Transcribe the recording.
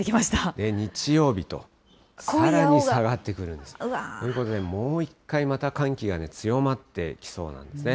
日曜日と、さらに下がってくるんです。ということで、もう一回、また寒気が強まってきそうなんですね。